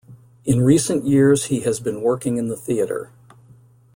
In recent years, he has been working in the theater.